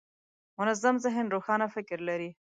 منظم ذهن روښانه فکر لري.